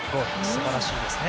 素晴らしいですね。